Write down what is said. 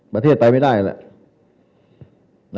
ประเทศไปไม่ได้แหละ